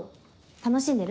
楽しんでる？